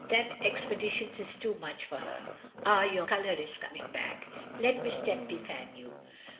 "Them expeditions is too much for her! Ah! your colour is coming back, let Miss Tempy fan you."